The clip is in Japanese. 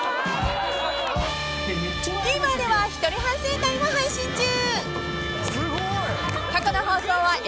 ［ＴＶｅｒでは一人反省会も配信中］